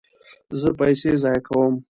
زه پیسې ضایع کوم